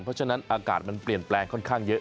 เพราะฉะนั้นอากาศมันเปลี่ยนแปลงค่อนข้างเยอะ